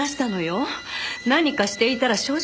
何かしていたら正直に話すわ。